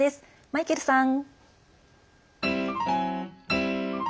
マイケルさん。